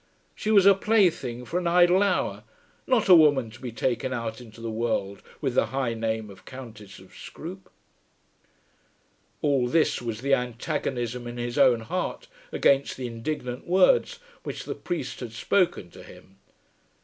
She was a plaything for an idle hour, not a woman to be taken out into the world with the high name of Countess of Scroope. All this was the antagonism in his own heart against the indignant words which the priest had spoken to him.